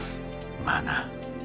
まあな